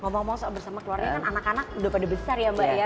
ngomong ngomong soal bersama keluarga kan anak anak udah pada besar ya mbak ya